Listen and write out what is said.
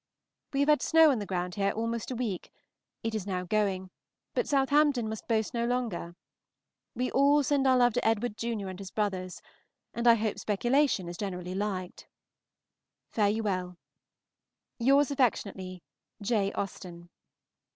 We have had snow on the ground here almost a week; it is now going, but Southampton must boast no longer. We all send our love to Edward junior and his brothers, and I hope Speculation is generally liked. Fare you well. Yours affectionately, J. AUSTEN.